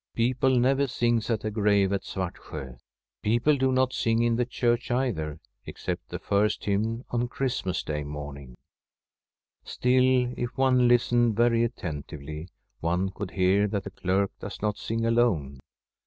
Peo ple never sing at a grave at Svartsjo. People do [345 1 Fram a SWEDISH HOMESTEAD not sing in the church either, except the first hymn on Christmas Day morning. Still, if one listened very attentively, one could hear that the clerk does not sing alone.